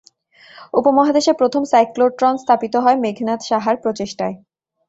উপমহাদেশে প্রথম সাইক্লোট্রন স্থাপিত হয় মেঘনাদ সাহার প্রচেষ্টায়।